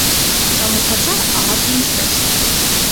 Ծանոթացա ահա թե ինչպես: